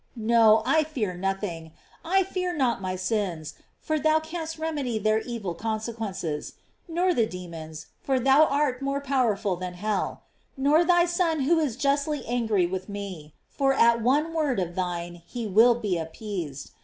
No, I fear nothing; I fear not my sins, for thou canst remedy their evil consequences; nor the demons, for thou art more powerful than hell;' nor thy Son who is justly angry with me, for at one word of thine he will be appeased.